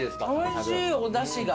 おいしいおだしが。